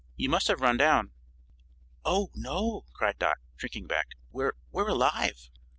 You must have run down." "Oh, no!" cried Dot, shrinking back; "We're we're alive!"